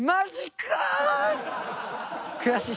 悔しい。